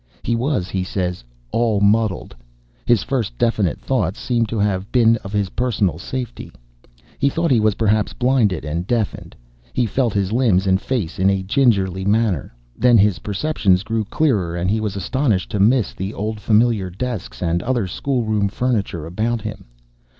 He, was, he says, "all muddled." His first definite thoughts seem to have been of his personal safety. He thought he was perhaps blinded and deafened. He felt his limbs and face in a gingerly manner. Then his perceptions grew clearer, and he was astonished to miss the old familiar desks and other schoolroom furniture about him.